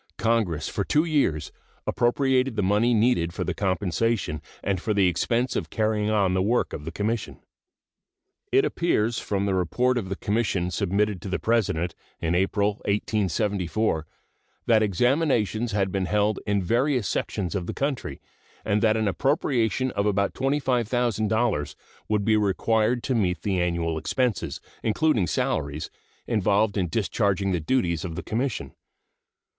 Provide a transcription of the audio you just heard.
Congress for two years appropriated the money needed for the compensation and for the expense of carrying on the work of the Commission. It appears from the report of the Commission submitted to the President in April, 1874, that examinations had been held in various sections of the country, and that an appropriation of about $25,000 would be required to meet the annual expenses, including salaries, involved in discharging the duties of the Commission.